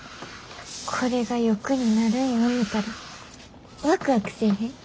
これが翼になるんや思たらワクワクせえへん？